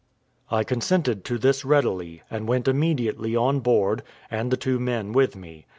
I consented to this readily, and went immediately on board, and the two men with me.